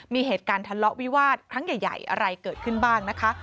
มีเหตุการณ์ทะเลาะวิวาสครั้งใหญ่อะไรเกิดขึ้นบ้างนะคะ